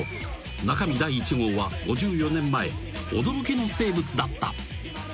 中身第１号は５４年前驚きの生物だった。